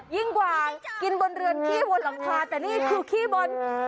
ยิ่งกว่ากินบนเรือนขี้บนหลังคาแต่นี่คือขี้บน